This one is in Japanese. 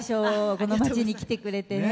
この町に来てくれて。